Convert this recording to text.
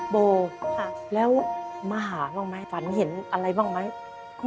โบแล้วมาหาบ้างไหมฝันเห็นอะไรบ้างไหม